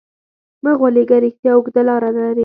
مه غولېږه، رښتیا اوږده لاره لري.